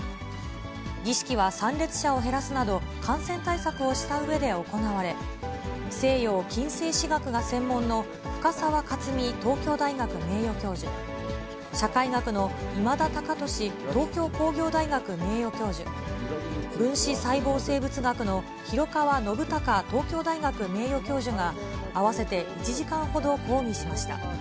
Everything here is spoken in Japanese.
儀式は参列者を減らすなど、感染対策をしたうえで行われ、西洋近世史学が専門の深沢克己東京大学名誉教授、社会学の今田高俊東京工業大学名誉教授、分子細胞生物学の廣川信隆東京大学名誉教授が、合わせて１時間ほど講義しました。